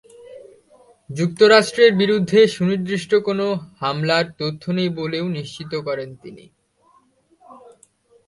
যুক্তরাষ্ট্রের বিরুদ্ধে সুনির্দিষ্ট কোনো হামলার তথ্য নেই বলেও নিশ্চিত করেন তিনি।